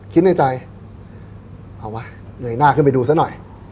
คิดในใจเอาวะเงยหน้าขึ้นไปดูซะหน่อย